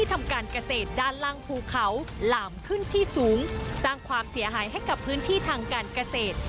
ทำการเกษตรด้านล่างภูเขาหลามขึ้นที่สูงสร้างความเสียหายให้กับพื้นที่ทางการเกษตร